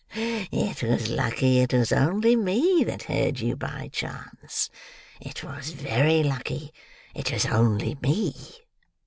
"Ha! ha! it was lucky it was only me that heard you by chance. It was very lucky it was only me."